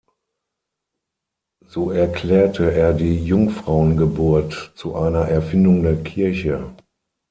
So erklärte er die Jungfrauengeburt zu einer „Erfindung der Kirche“.